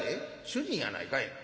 主人やないかいな。